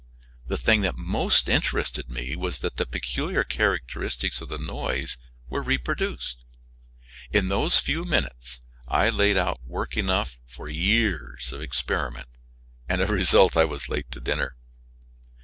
The thing that most interested me was that the peculiar characteristics of the noise were reproduced. In those few minutes I laid out work enough for years of experiment, and as a result I was late to dinner.